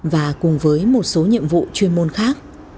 và cùng với một số nhiệm vụ chuyên môn khác